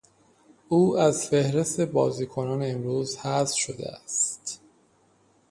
او از فهرست بازیکنان امروز حذف شده است.